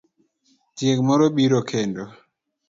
Tieng' moro biro kendo.